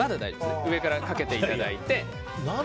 上からかけていただいて。